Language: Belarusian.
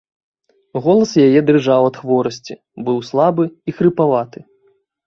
Голас яе дрыжаў ад хворасці, быў слабы і хрыпаваты.